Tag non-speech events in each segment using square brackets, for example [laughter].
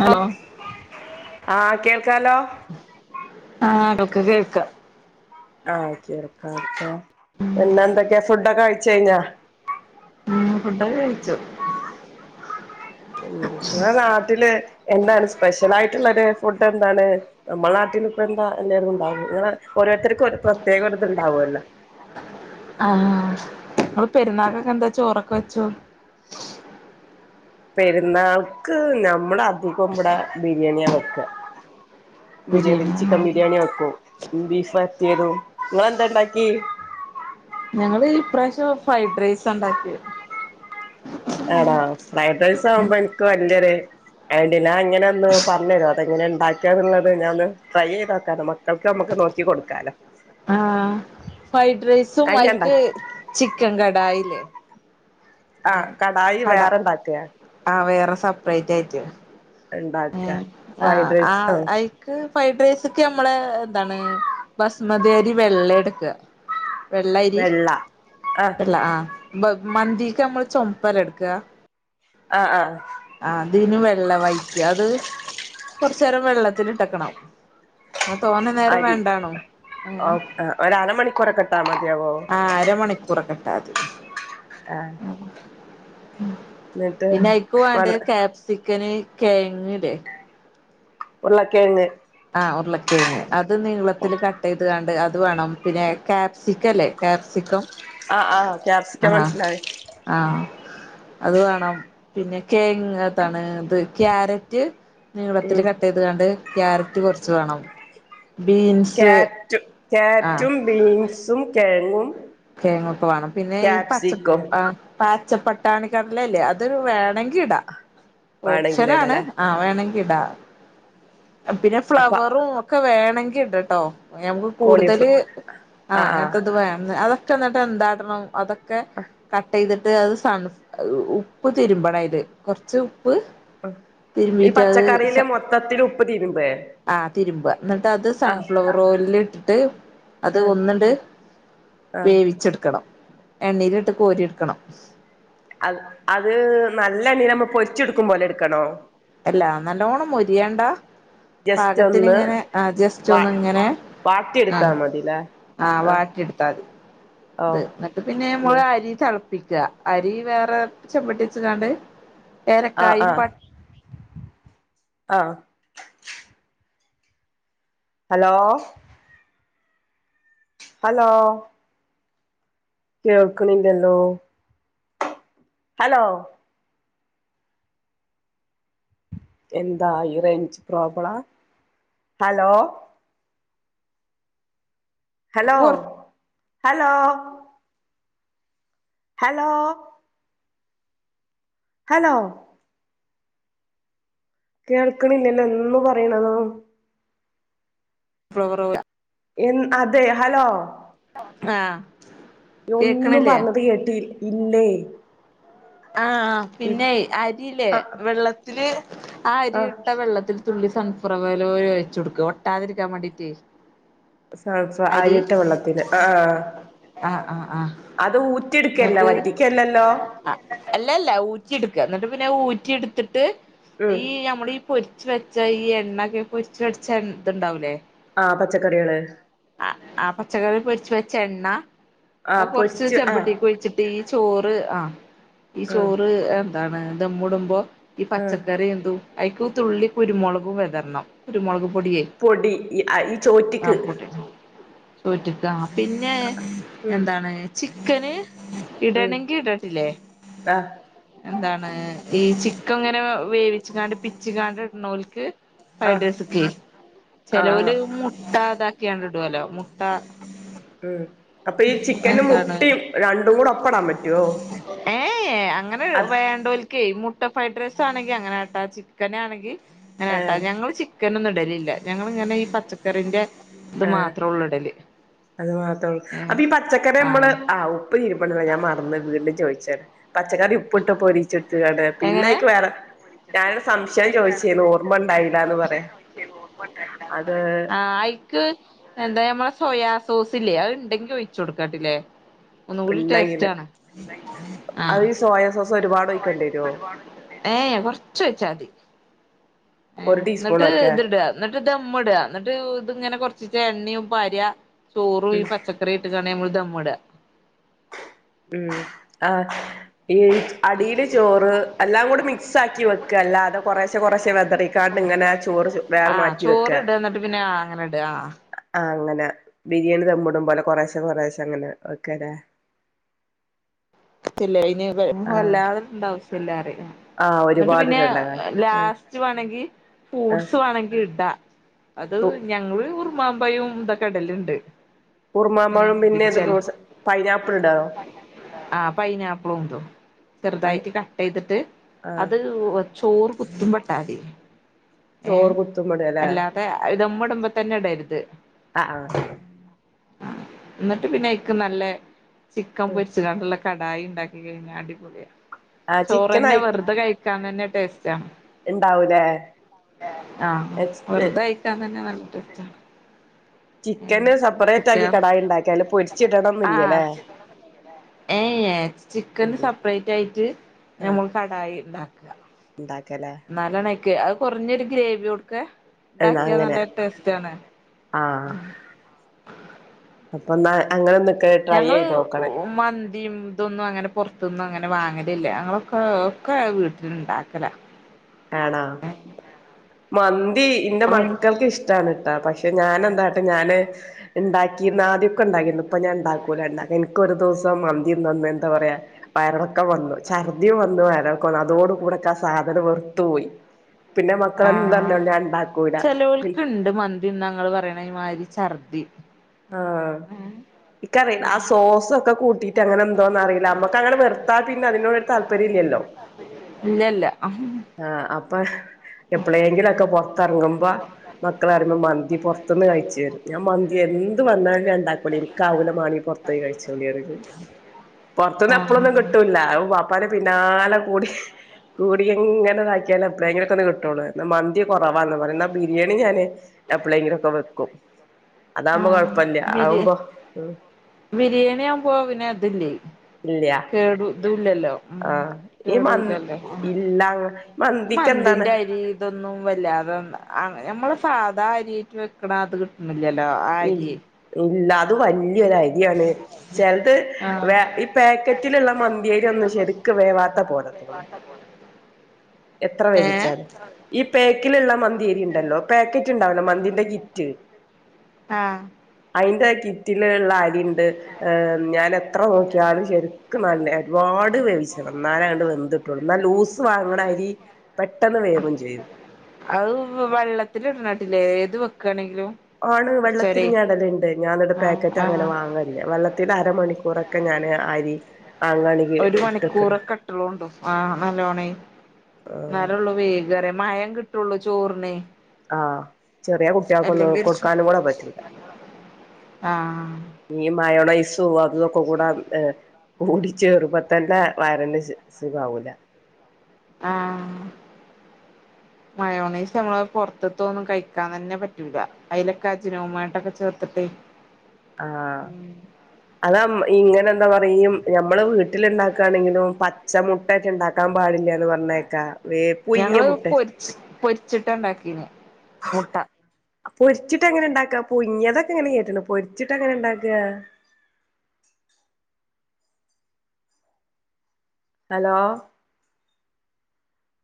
Hello ആഹ് കേൾക്കാലോ ആഹ് അതൊക്കെ കേൾക്കാ ആഹ് ചെറുപ്പാത്തെ പിന്നെ എന്തൊക്കെയാ ഫുഡൊക്കെ കഴിച്ചഴിഞ്ഞാ? ഉം ഫുഡൊക്കെ കഴിച്ചു. ഉം ഇങ്ങളെ നാട്ടില് എന്താണ് സ്പെഷ്യൽ ആയിട്ടുള്ളൊരു ഫുഡ് എന്താണ്? നമ്മളെ നാട്ടീന്ന് ഇപ്പ എന്താ [unintelligible] ഇണ്ടാവും ഇങ്ങളെ ഓരോരുത്തർക്കും ഓരോ പ്രത്യേകം ഒരിത് ഇണ്ടാവല്ലോ ആഹ് ഇങ്ങള് പെരുന്നാക്കൊക്കെ എന്താ ചോറൊക്കെ വെച്ചോ? പെരുന്നാൾക്ക് നമ്മളെ അധികോം ഇവിടെ ബിരിയാണിയാ വെക്കാ ബിരിയാണി ബിരിയാണിയാണോ ചിക്കൻ ബിരിയാണി വെക്കും ബീഫ് വരട്ടിയതും ഇങ്ങളെന്താ ഇണ്ടാക്കി? ഞങ്ങള് ഇപ്രാവശ്യം ഫ്രൈഡ് റൈസാ ഇണ്ടാക്കിയെ ആണോ ഫ്രൈഡ് റൈസ് ആവുമ്പോ ഇൻക്ക് വല്യൊരു [unintelligible] അത് എങ്ങനെ ഒന്ന് പറഞ്ഞെരോ അതെങ്ങനെ ഇണ്ടാക്കിയേന്ന്ള്ളത് ഞാൻ ഒന്ന് ട്രെയ്‌ ചെയ്ത് നോക്കാ നമ്മക് മക്കൾക്ക് നമ്മുക്ക് നോക്കി കൊടുക്കാലോ ആ ഫ്രൈഡ് റൈസും അത് ഞാൻ ആയിക് ഉണ്ടാക്കി ചിക്കൻ കടായില്ലേ ആഹ് കടായി വേറെണ്ടാക്കാ ആ വേറെ സെപ്പറേറ്റ് ആയിട്ട് ഉണ്ടാക്കുക ആഹ് ഫ്രൈഡ് റൈസ് ആ ആഹ് ആയി ഫ്രൈഡ് റൈസ്ക്ക് ഞമ്മള് എന്താണ് ഭസ്മതി അയ്രി വെള്ള എടുക്കുക വെള്ളരി വെള്ള ആ വെള്ള ആഹ് മന്തിക്ക് നമ്മള് ചുമപ്പല്ല എടുക്കുക ആഹ് ആഹ് ആഹ് ഇതിന് വെള്ള വൈ റ്റ് അത് കുറച്ച് നേരം വെള്ളത്തിൽ ഇട്ട് വെക്കണം ആ തോന്നെ നേരം അരി വേണ്ടാണും ഓ ഏഹ് ഒരു അരമണിക്കൂറൊക്കെ ഇട്ടാ മതിയാവോ ആഹ് അരമണിക്കൂറക്കെ ഇട്ടാമതി ആഹ് പിന്നെ ആയിക്ക് വെള്ള വാണ്ടെ ക്യാപ് ചിക്കന് കെയങ്ങ് ഇലേ ഉരുളക്കെഴങ്ങ്‌ ആ ഉരുളക്കേങ്ങ് അത് നീളത്തിൽ കട്ട് ചെയ്ത് കാണ്ട് അത് അത് വേണം പിന്നെ കാപ്സിക്കം ഇല്ലേ കാപ്സിക്കം ആഹ് ആഹ് ക്യാപ്സിക്കം മനസ്സിലായി ആഹ് അത് വേണം പിന്നെ കേങ് എത്താണ് ഇത് ക്യാരറ്റ് നീളത്തിൽ ഉം കട്ട് ചെയ്ത് കാണ്ട് ക്യാരറ്റ് കുറച്ച് വേണം ബീൻസ് ആഹ് ക്യാരറ്റ് ബീൻസും കിഴങ്ങും കിയങ്ങോക്കെ വേണം പിന്നെ ഈ പച്ച ക്യാപ്സിക്കം ആഹ് പാച്ചപ്പട്ടാണിക്കടലല്ലേ അതൊരു വേണമെങ്കി ഇടാ വേണെങ്കില് ഓപ്ഷനാണ് ഇടലേ ആ വേണമെങ്കിൽ ടാ പിന്നെ അപ്പ ഫ്ലവറും ഒക്കെ വേണമെങ്കി ഇടട്ടോ ഞമുക്ക് കൂടുതൽ കോളിഫ്ല ആ ആഹ് ആഹ് അങ്ങനത്തെത് വേണം അതൊക്കെ എന്നിട്ട് എന്താട്ടണം അതൊക്കെ ഒക്കെ കട്ട് ചെയ്തിട്ട് അത് സ ഉപ്പ് തിരുമ്പണം ആയില് കൊറച്ച് ഉപ്പ് ആ ഈ തിരുമ്പീട്ട് അത് പച്ചക്കറിയിലെ സ മൊത്തത്തിൽ ഉപ്പ് തീരുമ്പേ ആ തിരുമ്പ എന്നിട്ട് അത് ആഹ് സൺഫ്ലവർ ഓയിലിൽ ഇട്ടിട്ട് അത് ആഹ് ഒന്ന്ണ്ട് ആഹ് വേവിച്ചെടുക്കണം എണ്ണയിലിട്ട് കോരി എടുക്കണം അ അത് നല്ല എണ്ണീ നമ്മ പൊരിച്ച് എടുക്കും പോലെ എടുക്കണോ അല്ലാ നല്ലോണം മേരിയേണ്ട ജസ്റ്റ് പാകത്തിന് ഒന്ന് ഇങ്ങനെ ആ ജസ്റ്റ് വ ഒന്ന് ഇങ്ങനെ വാട്ടിയെടുത്താ ആഹ് മതില്ലേ ആ ആഹ് വാട്ടി എടുത്താൽ മതി അത് ഓഹ് എന്നിട്ട് പിന്നെ ന്ന് അരി തിള പ്പിക്ക അരി വേറെ ചെമ്പട്ടി വെച്ച്കാണ്ട് ആഹ് ഏലക്കായും ആഹ് പട്ട ആഹ് ഹലോ ഹലോ കേൾക്കണില്ലല്ലോ ഹലോ എന്താ ഈ റേഞ്ച് പ്രോബ്ലാ ഹലോ ഹലോ കൊറച്ച് ഹലോ ഹലോ ഹലോ കേൾക്കണില്ലല്ലോ ഒന്ന് പറയുണതും [unintelligible] എൻ അതെ ഹലോ ആഹ് ഒന്നും കേക്കണില്ലേ പറഞ്ഞത് കേട്ടിയി ഇല്ലേയ് ആഹ് ആഹ് പിന്നെയ് അരില്ലേ ആ വെള്ളത്തില് ആ അരി ഇട്ട വെള്ളത്തിൽ തുള്ളി സൺഫളവർ ഓയിൽ ഒഴിച്ച് കൊടുക്ക ഒട്ടാതിരിക്കാൻ വേണ്ടീട്ടേ അരി സൺഫഅരിട്ട വെള്ളത്തില് ആഹ് ആഹ് ആഹ് ആഹ് ആഹ് അത് ഊറ്റിട്ക്കല്ലെ വറ്റിക്കല്ലല്ലോ ആഹ് അല്ലല്ല ഊറ്റിെടുക്ക എന്നിട്ട് പിന്നെ ഊറ്റിയെടുത്തിട്ട് ഉം ഈ നമ്മളീ പൊരിച്ച് വെച്ചാ ഈ എണ്ണൊക്കെ പൊരിച്ച് വെച്ചാ ഇതുണ്ടാവൂലേ ആഹ് പച്ചക്കറികള് ആ ആ പച്ചക്കറി പൊരിച്ച് വെച്ച എണ്ണ ആ അത് കുറച്ച് പൊരിച്ച് ആ ചെമ്പട്ടിക്ക് ഒഴിച്ച് ഈ ചോറ് ആ ഈ ആ ചോറ് എന്താണ് ദമ്മുടുമ്പോ ഈ ആ പച്ചക്കറി എന്തു അയിക്ക് തുള്ളി കുരുമൊളകും വിതരണം കുരുമൊളക് പൊടിയേയ് പൊടി ഈ ചോറ്റ്ക്ക് ചോറ്റ്ക്ക് ആ പിന്നെ ഉം എന്താണ് ചിക്കന് ഉം ഇടണെങ്കി ഇടട്ടില്ലേ ആ എന്താണ് ഈ ചിക്കങ്ങനെ വേവിച്ച് കാണ്ട് പിച്ചികാണ്ട് ഇട്ണോൽക്ക് ആ ഫൈഡ്രേസ്ക്ക് ആ ചെലോല് ആ മുട്ടതാ ക്കിയാണ്ടിടോല്ലോ മുട്ടാ ഉം അപ്പൊ ഈ ചിക്കനും മുട്ടയും രണ്ടും കൂടെ ഒപ്പടാൻ പറ്റുവോ ഏയ് അങ്ങനെ അത് വേണ്ടോല്ക്ക് മുട്ട ഫ്രൈഡ് റൈസ് ആണെങ്കിൽ അങ്ങനാട്ടാ ചിക്കന് ആണെങ്കിൽ അങ്ങനാട്ടാ ഏഹ് ഞങ്ങൾ ചി ചിക്കനൊന്നും ഇടലില്ല ഞങ്ങളിങ്ങനെ ഈ പച്ചക്കറിന്റെ ഇത് ആഹ് മാത്രേ ഒള്ളൂ ഇടല് അത് മാത്രഉള്ളൂ ഏ അപ്പൊ ഈ പച്ചക്കറി നമ്മള് ആഹ് ആവും പ്രിയ പെണ്ണുങ്ങളെ ഞാമറന്ന് വീണ്ടും ചോയിച്ചാണ് പച്ചക്കറി ഉപ്പിട്ട് പൊരിച്ചി- പൊരിച്കാണ്ട് പിന്നെ എങ്ങനെ അയിക്ക് വേറെ ഞാനൊരു സംശയം ചോദിച്ചീന്നു ഓർമ്മണ്ടായില്ലാന്ന് പറയാ അത് ക്ക് എന്താ നമ്മളെ സോയാസോസ് ഇല്ലേ അത്ണ്ടെങ്കിൽ ഒഴിച്ചു കൊടുക്കാട്ടില്ലേ ഒന്നുകൂടി ഉണ്ടെങ്കില് ടേസ്റ്റാണ് അത് ആഹ് ഈ സോയാ സോസ് ഒരുപാട് ഒഴിക്കണ്ടി വരോ ഏ കുറച്ച് ഒഴിച്ചാൽ മതി ഏ ഒരു എന്നിട്ട് ടീസ്പൂണൊക്കെ ഇത്ടാ എന്നിട്ട് ദമ്മ് ഇടാഎന്നിട്ട് ഇത്ങ്ങനെ കൊറച്ച് എണ്ണയും പാരിയ ചോറും ഈ പച്ചക്കറി ഇട്ട് കാണ്ട് നമ്മള് ദമ്മ്ടാ ഉം ആഹ് ഈ അടിയില് ചോറ് എല്ലാം കൂടി മിക്സ് ആക്കി വെക്കാ അല്ലാതെ കുറശെ കുറശെ വെതറിക്കാണ്ട് ഇങ്ങനെ ചോറ് വേറെ ആഹ് മാറ്റി വെക്ക ചോറ്ട് എന്നിട്ട് പിന്നെ ആ അങ്ങനെ ഇടാ ആഹ് ആഹ് അങ്ങനെ ബിരിയാണി ദമ്മൂടും പോലെ കൊറേശെ കൊറേശെ അങ്ങനെ വെക്കല്ലേ ചെലേയിന് വെ ആഹ് വഹല്ലാതെ ഇടണ്ടാവശ്യ ഇല്ലാറ ആഹ് എന്നിട്ട് പിന്നെ ഒരുപാടിടണ്ട ല്ലേ. ആഹ് ലാസ്റ്റ് വാണെങ്കി ആഹ് ഫൂട്സ് വാണങ്കിൽ ഇടാ അത് കു ഞങ്ങള് ഉർമാമ്പായും ന്താ ക്കെടലുണ്ട് ഉറുമാമ്പഴും പിന്നെത് ഫ്രൂട്ട്സ് പൈനാപ്പിൾ ഇടോ ആ പൈനാപ്പിളും ഇടും പൈ ചെറുതായിട്ട് കട്ട് ചെയ്തിട്ട് ആഹ് അത് ചോറ് കുത്തുംപെട്ടാതി ഏഹ് ചോറ് കുത്തുമ്മടല്ലേ അല്ലാതെ ദമ്മ് ഇടുമ്പോ തന്നെ ഇടരുത് ആഹ് ആഹ് എന്നിട്ട് പിന്നെയിക്കു നല്ല ചിക്കൻ പോരി നല്ല കടായി ഇണ്ടാക്കി കൈഞ്ഞാ അടിപൊളിയാ ആഹ് ചിക്കൻ ചോറെന്നെ അയി വെറുതെ കയി ക്കാൻ തന്നെ ടേസ്റ്റ ഇണ്ടാവൂലേ [unintelligible] ആഹ് വെറുതെ കഴി ക്കാൻ തന്നെ നല്ല ടേസ്റ്റ് ചിക്കന് സെപ്പറേറ്റ് ആക്കി കുട്ടികൾ കടായി ഇണ്ടാക്കിയാല് പൊരിച്ച് ഇടണം ന്നില്ലലെ. ഏയ് ഏഹ് ചിക്കന് സെപ്പറേറ്റ് ആയിട്ട് നമ്മള് കടായി ഇണ്ടാക്ക്. ഇണ്ടാക്ക് അല്ലേ. ഇന്നാലാണ് അയിക്ക് അത് കുറഞ്ഞൊരു ഗ്രേവിയോട്ക്കെ എന്നാ ഇണ്ടാക്കിയ അങ്ങനെ നല്ല ടേസ്റ്റ് ആണ്. ആഹ്, അപ്പൊന്നാ അങ്ങനെന്ന് ഇൻക്ക് ട്രൈ ചെയ്ത് നോക്കണം. ന്തീം ഇതൊന്നും അങ്ങനെ പൊറത്ത്ന്ന് അങ്ങനെ വാങ്ങലില്ല. ഞങ്ങളൊക്കെ ഒക്കെ വീട്ട്ല്ണ്ടാക്കലാ. ആ [inaudible] ആണോ? മന്തി ഇന്റെ ഇപ്പഴും മക്കൾക്ക് ഇഷ്- ടാണ് ട്ടോ പക്ഷെ ഞാനെന്താട്ട് ഞാന് ഇണ്ടാക്കിന്ന് ആദ്യോക്കെ ഇണ്ടാക്കീന്നു. ഇപ്പൊ ഞാൻ ഇണ്ടാക്കൂല. എന്നാല് ഇൻ ക്ക് ഒരു ദിവസം മന്തി തിന്ന അന്ന് എന്താ പറയാ വയറെളക്കം വന്നു, ഛർധിം വന്നു വയറെള- ക്കോളാ അതോട്‌കൂടെ ഇൻക്ക് ആ സാധനം വെറ്ത്ത്പോയി. പിന്നെ മക്കള് ആ എന്ത് പറഞ്ഞാലും ഞാൻ ഇണ്ടാക്കൂല. ഇണ്ട് മ- ന്തി തിന്ന ഇങ്ങള് പറയണ മാതിരി ഛർദി. ആഹ് ഇൻക്കറിയില്ല ആ സോസൊക്കെ കൂട്ടിയിട്ടങ്ങനെന്തോ എന്നറിയില്ല നമ്മക്കങ്ങനെ വെർത്താ പിന്നെ അതിനോട് താല്പര്യല്ലല്ലോ. ഇല്ല ഇല്ല. അഹ് ആഹ്, അപ്പൊ എപ്പളേങ്കിലൊക്കെ പുറത്തെറങ്ങുമ്പ മക്കള് പറയുമ്പ മന്തി പൊറത്ത്ന്ന് കഴിച്ച് വരും. ഞാൻ മന്തി എന്ത് വന്നാലു അ ഇണ്ടാക്കൂല, ഇൻക്കാവൂല മാണീ പൊറത്ത്പോയി കഴിച്ചോളി പറയും. പൊറത്ത്ന്ന് എപ്പളൊന്നും കിട്ടൂല്ല. അഹ് വാ പ്പാന്റെ പിന്നാലെ കൂടി കൂടിയെങ്ങനെ ഇതാക്കിയാലും എപ്പളെങ്കിലൊക്കൊന്ന് കിട്ടൊള്ളു. ഇന്ന മന്തി കൊറവാന്ന് പറയും. ഇന്നാ ബിരിയാണി ഞാന് എപ്പളേങ്കിലൊക്കെ വെക്കും. ആ അതാവുമ്പോ ബിരി ആവുമ്പ, ഉം ബിരിയാണി ആവുമ്പോ പിന്നെ ഇതില്ലെയ്. ഇല്ല്യാ കേടു ഇതൂല്ലല്ലോ. ഉം, മന് കേടൂല്ലല്ലോ? ഇല്ല ഈ മന്തിക്ക് എന്താണ് മന്തിന്റ അരി ഇതൊന്നും വല്ലാതെ ആ നമ്മള് സാധാ അരിയിട്ട് വെ ക്ക്ണ ആ ഇത് കിട്ട്ണ്ല്ല്യല്ലോ ആ ഇ അരിയെ. ഇല്ല അത് വല്ല്യൊര് അരിയാണ്. ചെലത് വേ ഈ പേക്കറ്റ്ല്ള്ള മന്തി അരി ഒന്നും ശരിക്ക് വേവാത്ത പോലത്തത്. വാത്ത പോലെ. എത്ര വേവിച്ചാലും ഈ പേക്കില്ള്ള മന്തിയരിണ്ടല്ലോ പാക്കറ്റ് ഇണ്ടാവോലോ മന്തിന്റെ കിറ്റ്, ആഹ്. അയിന്റെ കിറ്റ്ല്ള്ള അരിണ്ട്. ഏഹ് ഞാനെത്ര നോക്കിയാലും ശരിക്ക് നല്ലെ ഒരുപാട് വേവിച്ചണം ഇന്നാലേ അത് വെന്ത്- കിട്ടുള്ളു. ലൂസ് വാങ്ങ്ണ അരി പെട്ടെന്ന് വേവും ചെയ്യും. അഹ് വള്ളത്തില്ട്ണാട്ടില് ഏത് വെക്കാണെങ്കിലും ആണ് കുറച്ചേരെ വെള്ളത്തിലും ഞാൻ ഇടല്ണ്ട് ഞാന് ഇന്നിട്ട് ആഹ് പാക്കറ്റ് അങ്ങനെ ആഹ് വാങ്ങ്. ഇല്ല, വെള്ളത്തിലരമണിക്കൂറൊക്കെ ഞാന് അരി വാങ്ങ് ആണെ ഒരു മണിക്കൂറൊക്കെ ഇട്ടളോണ്ടു ആഹ് നല്ലോണെയ് ആഹ് ഇന്നാലൊള്ളൂ വേഗം അറയാ മയം കിട്ടൊള്ളു ചോർനെയ് ആഹ് ചെറ്യേ കുട്ട്യാൾക്കൊന്നും കൊടുക്കാനും കൂടെ പറ്റൂല ആഹ് ഈ മയോണൈസും അതും ഇതൊക്കെ കൂടെ ഏ കൂടി ചേറുമ്പതന്നെ വയറിന് സ് സുഖാവൂല ആഹ് മയോണൈസ് അമ്മളെ പൊറത്ത്ത്തൊന്നും കഴിക്കാൻ തന്നെ പറ്റൂല അയിലൊക്കെ അജ്നാമേട്ടൊക്കെ ചേർത്ത്ട്ട് ആഹ് അത്അ ഇങ്ങനെ എന്തോ പറയും ഞമ്മളെ വീട്ട്- വീട്ട്ല്ണ്ടാക്കാണെങ്കിലും പച്ച മുട്ടേറ്റ് ഇണ്ടാക്കാൻ പാട്ല്ല്യാന്ന് പറയ്ണേക്കാ ഞങ്ങള് പൊരിച്ച് പൊരിച്ചിട്ടാ ഇണ്ടാക്കീനെ മുട്ട പൊരിച്ച്ട്ട് എങ്ങനെ ഇണ്ടാക്കാ പുയ്ങ്യെതൊക്കെ ഇങ്ങനെ കേട്ട്ണ്ണ് പൊരിച്ച്ട്ട് എങ്ങനെ ഇണ്ടാക്കാ ഹലോ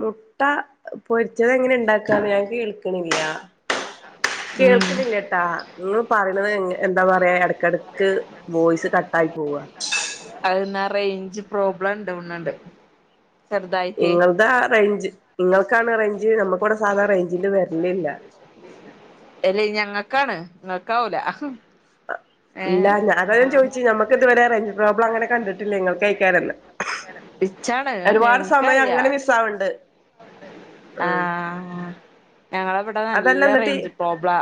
മുട്ട പൊരിച്ചത് എങ്ങനെ ഇണ്ടാക്കാ ഞാൻ കേൾക്ക്ണില്ല ഉം കേൾക്ക്ണില്ല ട്ടാ ഇങ്ങള് പറയ്ണ്ന്നത് എന്താ പറയാ ഇടക്കെടക്ക് വോയിസ് കട്ടായി പോവാ അത് ഇന്നാ റേഞ്ച് പ്രോബ്ലം ഇണ്ട് [unintelligible] ഇങ്ങള്താ റേഞ്ച് ഇങ്ങൾക്കാണ് റേഞ്ച് നമുക്കിവിടെ സാധാരണ റേഞ്ചിന്റെ വരലില്ല അല്ലേ ഞങ്ങക്കാണ് ഇങ്ങക്കാവൂല ഏഹ് ഇല്ല അതാ ഞാൻ ആഹ് ചോയിച്ച് നമ്മക്ക് ഇതുവരെ റേഞ്ച് പ്രോബ്ലം അങ്ങനെ കണ്ടിട്ടില്ല ഇങ്ങള്ക്കേക്കാരം ഇഷ്ട്ടാണ് എനിക്കറിയാ സൗണ്ട് ആഹ് ഞങ്ങള ഇവിടെ അതല്ല നല്ല എന്നിട്ട് റേഞ്ച് പ്രോബ്ലാ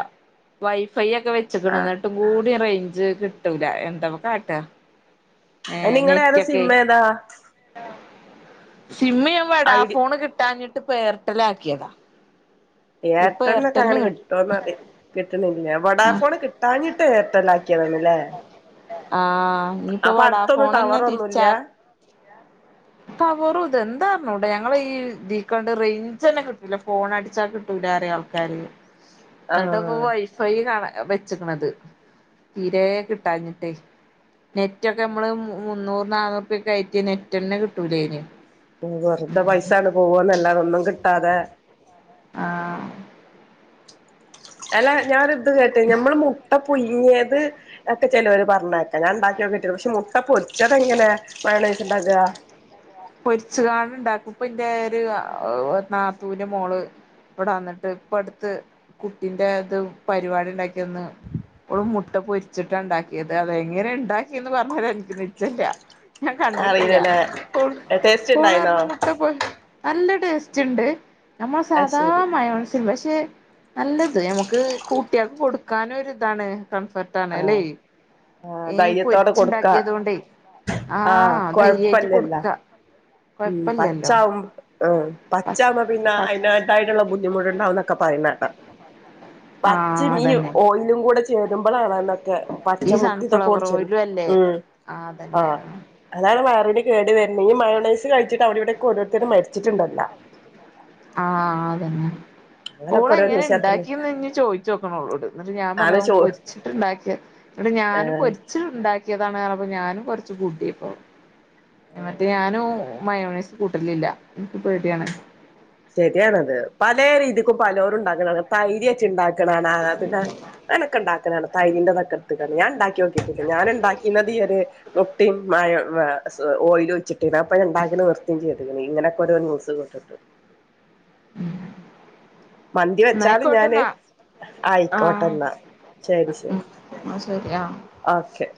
വൈഫൈ ഒക്കെ ആ വെച്ച്ക്ക്ണ് ഇന്നിട്ട് കൂട്യ റേഞ്ച് കിട്ടൂല എന്താ ഇപ്പൊ കാട്ട ഏഹ് നിങ്ങള് ഏതാ നെറ്റൊക്കെ സിം ഏതാ സിമ്മ് ഞാന് ഐഡി വെടാഫോണ് കിട്ടാഞ്ഞിട്ട് ഇപ്പൊ എയർടെൽ ആക്കിയതാ ഇപ്പൊ എയർടെൽനൊക്കെ അങ്ങനെ എയർടെല്ലിന് കിട്ടും കിട്ടോന്ന് കിട്ട്ണില്ല വഡാഫോൺ കിട്ടാഞ്ഞിട്ട് എയർടെൽ ആക്കി ആക്കിയാണല്ലേ ആഹ ഇനിപ്പോ അടുത്തൊന്നും വടാഫോൺന്നെ ടവർ ഒന്നുംല്ല തിരിച്ചാക്കി ടവറും ഇതും എന്താർഞ്ഞൂട ഞങ്ങളെ ഈ ഇതീകണ്ട് റേഞ്ച് തന്നെ കിട്ടൂല ഫോൺ അടിച്ചാ കി ട്ടറിയും ആൾക്കാര് ഇന്നിട്ടൊക്കെ ആഹ് പയി കാണ വെച്ച്ക്കണത് തീരെ കിട്ടാഞ്ഞിട്ടേ ന നെറ്റൊക്കെ നമ്മള് മുന്നൂറ് നാന്നൂർപ്യക്ക് കയറ്റി നെറ്റെന്നെ കിട്ടൂലേന് വെറുതെ പൈസണ്ട് പോവാന്നല്ലാത ഒന്നും കിട്ടാതെ ആഹ അല്ല ഞാൻ ഒരു ഇത് കേട്ട് നമ്മൾ മുട്ട പുഴുങ്ങിയത് ഒക്കെ ചെലോര് പറഞ്ഞെ ഞാൻ ഇണ്ടാക്കിക്കിട്ടു പക്ഷെ മുട്ട പൊരിച്ചതെങ്ങനെ മയോണിസ് ഇണ്ടാക്കാ പൊരിച്കാണ്ട് ഇണ്ടാക്കും ഇപ്പൊ ഇന്റെ ഒരു നാത്തൂന്റെ മോള് ഇവിടെ വന്നിട്ട് ഇപ്പ അടുത്ത് കുട്ടിന്റെ ഇത് പരിപാടി ഇണ്ടാക്കിന്ന് അള് മുട്ട പൊരിച്ചിട്ടാണ് ഇണ്ടാക്കിയത് അതെങ്ങനെ ഇണ്ടാക്കിന്ന് പറഞ്ഞെരാന് ഇനിക്ക് നിചെല്യ ഞാൻ കണ്ടിട്ടില്ല അറിയില്ലല്ലേ ഓൾ ടേസ്റ്റ് ഓള് ഉണ്ടായിന്നോ പറഞ്ഞ് മുട്ട പോ നല്ല ടേസ്റ്റ് ഇണ്ട് നമ്മളെ അത് സാധാ ശരി മയോനിസ് പക്ഷെ നല്ലത് ഞമ്മക്ക് കൂട്ട്യാൾക്ക് കൊടുക്കാനും ഒര് ഇതാണ് കംഫർട്ട് ആണ് അല്ലെ ആഹ് ആഹ് ഏഹ് ധൈര്യത്തോടെ കൊടുക്കാ പൊരിച്ചുണ്ടാക്കിയത് കൊണ്ടേ ആഹ് ആഹ ധൈര്യായിട്ട് കൊഴപ്പല്ലല്ല കൊടുക്ക ഉം കൊഴപ്പില്ലല്ലോ പച്ചാവും ഉം പച്ചാവുബ പിന്നെ അതിന്റെ തായിട്ട്ള്ള ബു ദ്ധിമുട്ട് ഇണ്ടാവുനൊക്കെ പറിണേക്ക ആ പച്ചിം ഈ അതന്നെ ഓ ലും കൂടെ ചേരുബളാണ് ന്നൊക്കെ ഈ പച്ചമുട്ടിം ഇതൊക്കെ സൺഫ്ലവർ ഓയിലും [unintelligible] അല്ലേ ഉം ആ അതന്നെ ആഹ് അതാണ് വയറിന് കേട് വെര്ന്ന് ഈ മയോണൈസ് കഴിച്ചിട്ട് അവടിം ഇവടെക്കെ ഓരോരുത്തരും മരിച്ചിട്ട്ണ്ടല്ല ആഹ് അതന്നെ അങ്ങനൊക്കെ ഓള് ഓരോ എങ്ങനെ ന്യൂസ് കേൾക്കുന്നെ ഇണ്ടാക്കീന്ന് ഞ് ചോയ്ച്ചോക്കണം ഓളോട് ന്ന്ട്ട് ഞാ ആണ് പറഞ്ഞു ചോ പൊരിച്ചിട്ട്ണ്ടാക്കി ഇന്ന്ട്ട് ഞാനും ഏഹ് പൊരിച്ച് ഇണ്ടാക്കേതാണ് പറഞ്ഞപ്പോ ഞാനും കൊറച്ച് കൂട്ടിയപ്പോ മറ്റേ ഞാനും മയോണേസ് കൂട്ടലില്ല ഇന്ക്ക് പേടിയാണ് ശരിയാണത് പലേ രീതിക്കും പലോരും ഇണ്ടാക്ക്ണാണ തൈര് വെച്ച് ഇണ്ടാക്ക്ണാണ പിന്നെ അനൊക്കെ ഇണ്ടാക്ണാണ തൈരിന്റെ ഇതൊക്കേ ഇട്ത്ത് ങ്ങാണ്ട് ഞാ ഇണ്ടാക്കി നോക്കിട്ടില്ല ഞാൻ ഇണ്ടാക്കിന്നത് ഈ ഒര് മുട്ടിം മയോ ഓയിൽ ഒഴിച്ചിട്ട് ഞാപ്പ അയ്ന് ഇണ്ടാക്കൽ നി ർത്തി ചെയ്ത്ക്ക്ണു ഇങ്ങനൊക്കെ ഓരോ ന്യൂസ് കേട്ടിട്ട് മന്തി വെച്ചാലും ഞാന് എന്നായിക്കോട്ടെന്നാ ആ ആയിക്കോട്ടെ ന്നാ ഉം ന്നാ ശെരിയാ ഓകെ